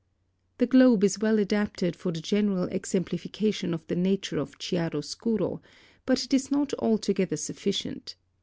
The globe is well adapted for the general exemplification of the nature of chiaro scuro, but it is not altogether sufficient.